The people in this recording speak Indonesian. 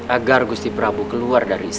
agar gusti prabu keluar dari sini